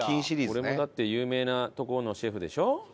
これもだって有名な所のシェフでしょ？